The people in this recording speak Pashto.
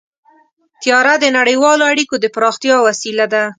طیاره د نړیوالو اړیکو د پراختیا وسیله ده.